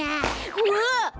うわっ！